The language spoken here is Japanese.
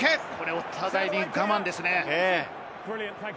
お互いに我慢ですね。